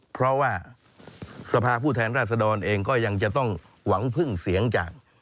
เพราะว่าสภาพผู้แทนราชดรเองก็ยังจะต้องหวังพึ่งเสียงจาก